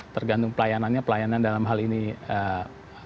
tergantung pelayanannya pelayanan dalam hal ini ee